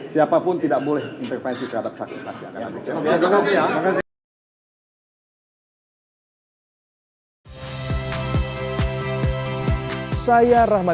siapapun tidak boleh intervensi terhadap saksi saksi